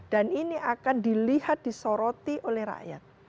dan ini akan dilihat disoroti oleh rakyat